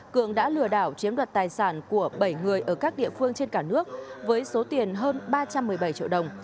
cường đã lừa đảo chiếm đoạt tài sản của bảy người ở các địa phương trên cả nước với số tiền hơn ba trăm một mươi bảy triệu đồng